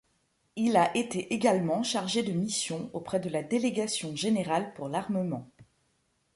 Il a été également chargé de mission auprès de la Délégation générale pour l'Armement.